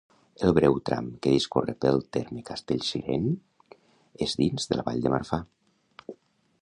El breu tram que discorre pel terme castellcirenc és dins de la Vall de Marfà.